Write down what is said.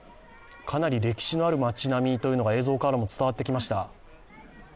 かなり歴史のある街並みというのが映像からも伝わってきました。